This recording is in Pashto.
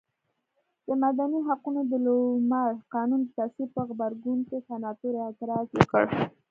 د مدني حقونو د لومړ قانون د تصویب په غبرګون کې سناتور اعتراض وکړ.